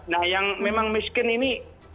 nah yang memang miskin ini